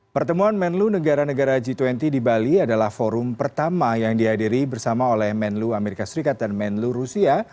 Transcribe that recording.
pertemuan menlo negara negara g dua puluh di bali adalah forum pertama yang dihadiri bersama oleh menlu amerika serikat dan menlu rusia